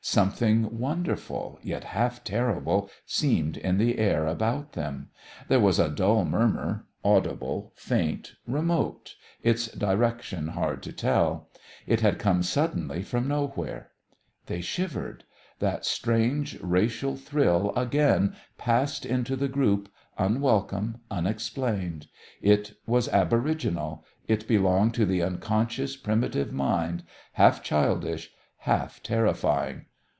Something wonderful, yet half terrible, seemed in the air about them. There was a dull murmur, audible, faint, remote, its direction hard to tell. It had come suddenly from nowhere. They shivered. That strange racial thrill again passed into the group, unwelcome, unexplained. It was aboriginal; it belonged to the unconscious primitive mind, half childish, half terrifying.